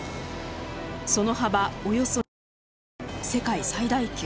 その幅およそ２キロと世界最大級。